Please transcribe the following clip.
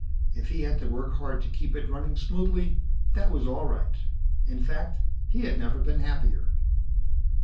If he had to work hard to keep it running smoothly, that was all right. In fact, he had never been happier.